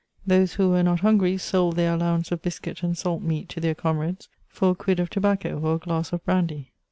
Those who were not hungry sold their allowance of biscuit and salt meat to their comrades for a quid of tobacco or a glass of brandy.